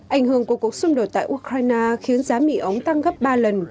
ảnh hưởng của cuộc xung đột tại ukraine khiến giá mỹ ống tăng gấp ba lần